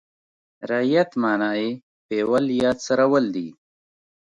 رعیت معنا یې پېول یا څرول دي.